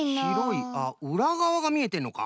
あっうらがわがみえてんのか。